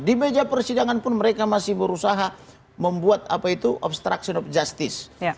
di meja persidangan pun mereka masih berusaha membuat apa itu obstruction of justice